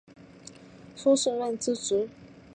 苏士润之侄。